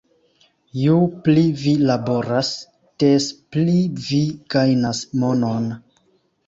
Ju pli vi laboras, des pli vi gajnas monon